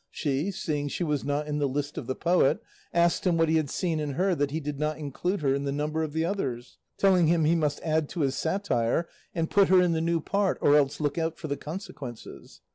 She, seeing she was not in the list of the poet, asked him what he had seen in her that he did not include her in the number of the others, telling him he must add to his satire and put her in the new part, or else look out for the consequences.